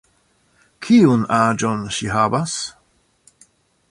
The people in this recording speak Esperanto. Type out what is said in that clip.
Kiun aĝon ŝi havas?